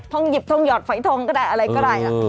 ทองหยิบทองหยอดไฝทองก็ได้อะไรก็ได้